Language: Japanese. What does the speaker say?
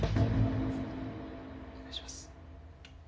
お願いします。